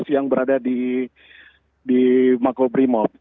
yang berada di mako primo